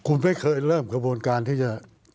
คุณไม่เคยเริ่มกระบวนการที่จะ